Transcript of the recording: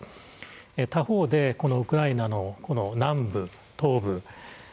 他方でウクライナの南部東部